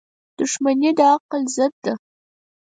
• دښمني د عقل ضد ده.